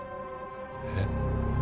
えっ？